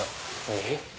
えっ？